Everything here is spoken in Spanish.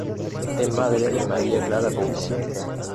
Es madre de María Clara Couto.